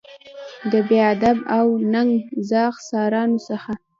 د بې آب او ننګ زاغ سارانو څخه.